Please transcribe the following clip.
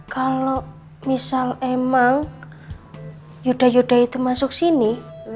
kalau misal emang yuda yuda itu masuk sini